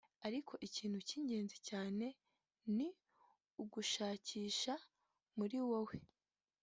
Ariko ikintu cy’ingenzi cyane ni ugushakisha muri wowe